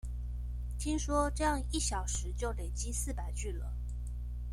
聽說這樣一小時就累積四百句了